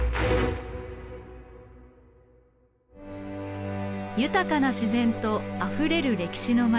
豊かな自然とあふれる歴史の町近江八幡。